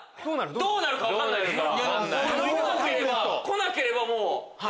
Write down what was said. どうなるか分かんないですから。